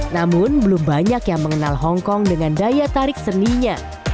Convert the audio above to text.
namun belum banyak yang mengenal hongkong dengan daya tarik seninya